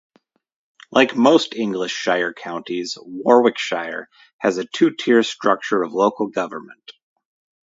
Like most English shire counties, Warwickshire has a two-tier structure of local government.